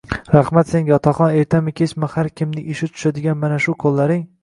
Rahmat senga, otaxon. Ertami-kechmi har kimning ishi tushadigan mana shu qo'llaring